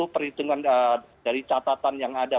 perhitungan dari catatan yang ada